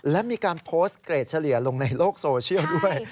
และมีการโพสต์เกรดเฉลี่ยลงในโลกโซเชียลด้วย